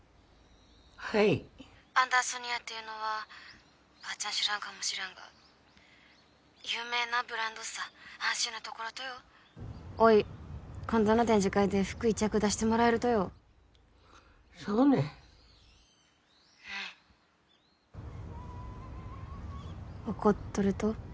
はい☎アンダーソニアっていうのは☎ばーちゃん知らんかもしらんが☎有名なブランドっさ安心なところとよおい今度の展示会で服一着出してもらえるとよそうね☎うん怒っとると？